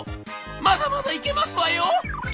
まだまだいけますわよ」。